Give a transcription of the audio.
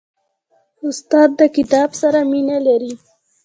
استاد د کتاب سره مینه لري.